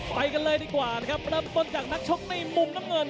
ไปกันเลยดีกว่านะครับเริ่มต้นจากนักชกในมุมน้ำเงิน